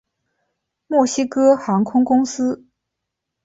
墨西哥航空公司。